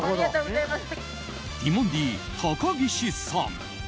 ティモンディ、高岸さん。